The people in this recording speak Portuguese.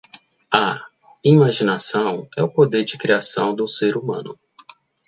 A imaginação é o poder de criação do ser humano